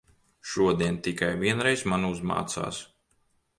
Šodien tikai vienreiz man uzmācās.